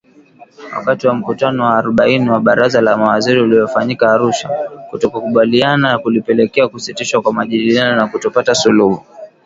Wakati wa mkutano wa arobaini wa Baraza la Mawaziri uliofanyika Arusha, kutokukubaliana kulipelekea kusitishwa kwa majadiliano na kutopata suluhu.